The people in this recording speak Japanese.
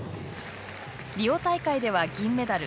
リオ大会では銀メダル